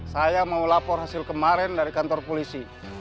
saya mau lapor hasil kemarin dari kantor polisi